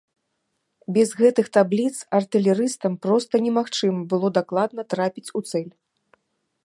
Без гэтых табліц артылерыстам проста немагчыма было дакладна трапіць у цэль.